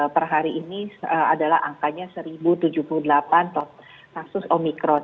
per hari ini adalah angkanya satu tujuh puluh delapan kasus omikron